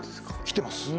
来てます